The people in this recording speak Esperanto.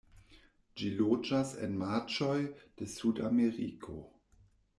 Ĝi loĝas en marĉoj de Sudameriko.